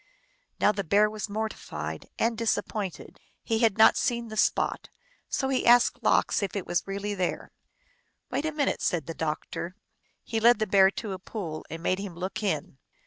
Now the Bear was mortified and disappointed. He had not seen the spot, so he asked Lox if it was really there. " Wait a minute," said the doctor. He led the Bear to a pool and made him look in.